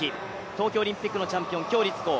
東京オリンピックのチャンピオン、鞏立コウ。